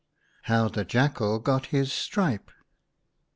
HOW THE JACKAL GOT HIS STRIPE.